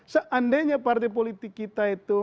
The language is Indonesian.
seandainya partai politik kita itu